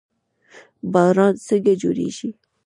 باران څنګه جوړیږي؟